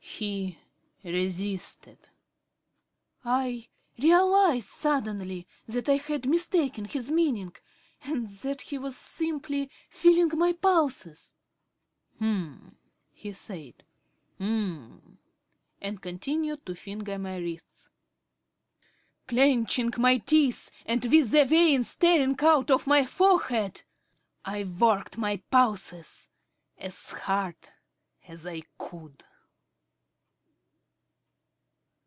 He resisted.... I realised suddenly that I had mistaken his meaning, and that he was simply feeling my pulses. "Um," he said, "um," and continued to finger my wrists. Clenching my teeth, and with the veins staring out on my forehead, I worked my pulses as hard as I could.